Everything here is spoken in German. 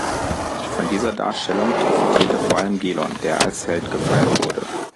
Von dieser Darstellung profitierte vor allem Gelon, der als Held gefeiert wurde.